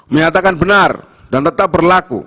menyatakan benar dan tetap berlaku